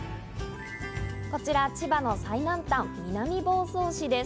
こちら千葉の最南端・南房総市です。